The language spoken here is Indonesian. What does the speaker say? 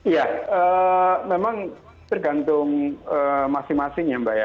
ya memang tergantung masing masing ya mbak ya